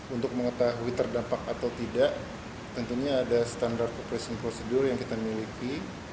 untuk mengetahui terdampak atau tidak tentunya ada standar coopressing procedure yang kita miliki